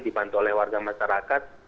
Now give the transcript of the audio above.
dipantau oleh warga masyarakat